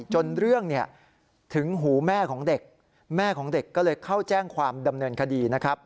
จนเรื่องถึงหูแม่ของเด็กแม่ของเด็กก็เลยเข้าแจ้งความดำเนินคดีนะครับ